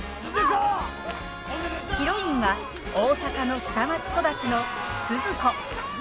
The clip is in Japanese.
ヒロインは大阪の下町育ちのスズ子。